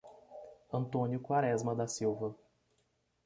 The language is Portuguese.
Antônio Quaresma da Silva